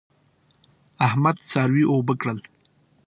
احمد څاروي اوبه کړل.